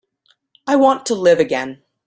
I want to live again.